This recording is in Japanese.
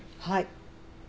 はい。